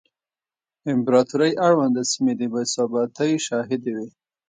امپراتورۍ اړونده سیمې د بې ثباتۍ شاهدې وې